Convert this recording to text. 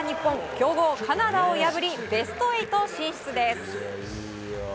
強豪カナダを破りベスト８進出です。